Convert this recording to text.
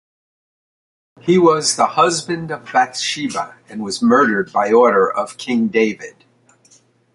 He was the husband of Bathsheba and was murdered by order of King David.